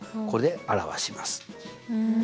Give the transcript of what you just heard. これで表します。